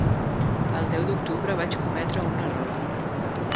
El deu d’octubre vaig cometre un error.